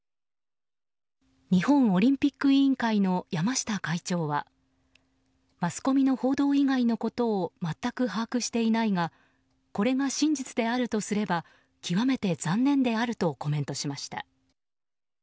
日本オリンピック委員会の山下会長はマスコミの報道以外のことを全く把握していないがこれが真実であるとすれば極めて残念であるとコメントしました。